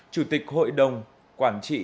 chủ tịch hội đồng quản trị